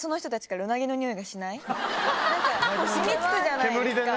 染み付くじゃないですか。